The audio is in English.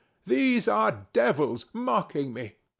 These are devils, mocking me.